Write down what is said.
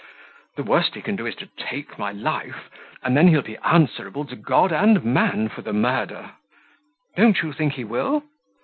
The worst he can do is to take my life, and then he'll be answerable both to God and man for the murder. Don't you think he will?"